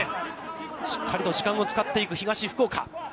しっかりと時間を使っていく東福岡。